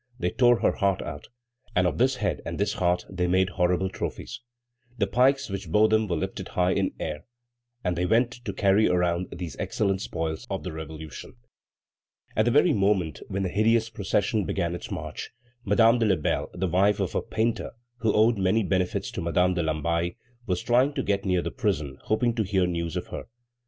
They tore out her heart, and of this head and this heart they made horrible trophies. The pikes which bore them were lifted high in air, and they went to carry around these excellent spoils of the Revolution. At the very moment when the hideous procession began its march, Madame de Lebel, the wife of a painter, who owed many benefits to Madame de Lamballe, was trying to get near the prison, hoping to hear news of her.